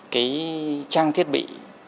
cái trang thiết bị